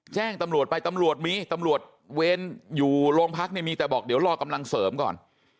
แจ้งตำรวจไปตำรวจมีตำรวจเวรอยู่โรงพักเนี่ยมีแต่บอกเดี๋ยวรอกำลังเสริมก่อน